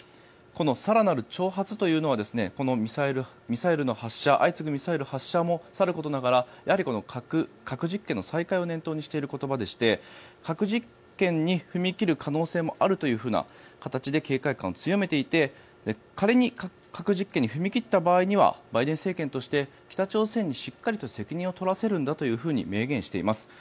この更なる挑発というのはミサイルの発射相次ぐミサイル発射もさることながら核実験の再開を念頭にしている言葉でして核実験に踏み切る可能性もあるというふうな形で警戒感を強めていて仮に核実験に踏み切った場合にはバイデン政権として北朝鮮にしっかりと責任を取らせるんだと明言しています。